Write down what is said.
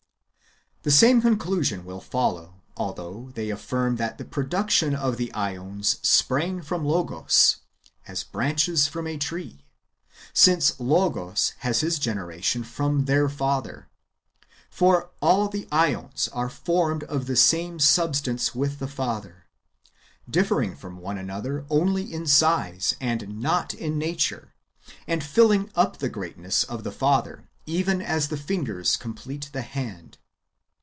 The same conclusion will follow, although they affirm that the production of the ^ons sprang from Logos, as branches from a tree, since Logos has his generation from their Father. For all [the ^ons] are formed of the same substance with the Father, differing from one another only in size, and not in nature, and filliug up the greatness of the Father, even as the fingers complete the hand.